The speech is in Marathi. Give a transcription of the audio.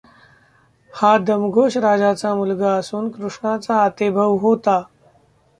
हा दमघोष राजाचा मुलगा असून कृष्णाचा आतेभाऊ होता.